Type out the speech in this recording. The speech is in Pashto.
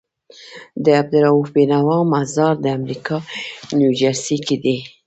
د عبدالروف بينوا مزار دامريکا نيوجرسي کي دی